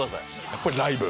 やっぱりライブ？